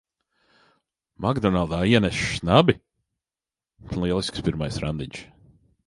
"Makdonaldā" ienesis šnabi! Lielisks pirmais randiņš.